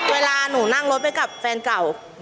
เวลาหนูนั่งรถไปกับแฟนเก่า